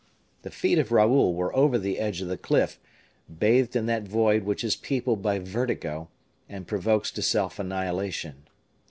The feet of Raoul were over the edge of the cliff, bathed in that void which is peopled by vertigo, and provokes to self annihilation.